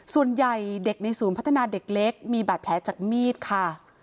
ส่วนใหญ่เด็กในศูนย์พัฒนาเด็กเล็กมีบาดแผลจากมีดค่ะ